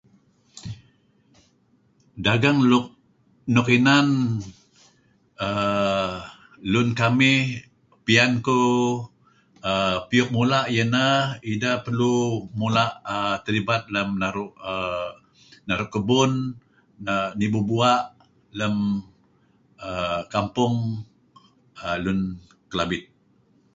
Dagang luk nuk inan err lun kamih piyan kuh piyuk mula' iyeh inah ideh perlu mula' err terlibat lem err naru' kebun nah nibu bua' lem err kampung lun Kelabit.